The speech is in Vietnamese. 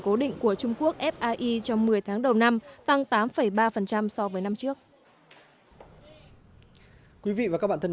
cố định của trung quốc fie trong một mươi tháng đầu năm tăng tám ba so với năm trước quý vị và các bạn thân